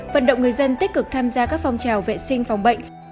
vận động người dân tích cực tham gia các phong trào vệ sinh phòng bệnh